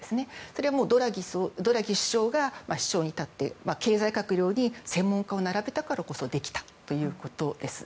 それはドラギ首相が首相に立って経済閣僚に専門家を並べたからこそできたということです。